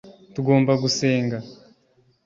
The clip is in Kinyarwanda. tugomba gusenga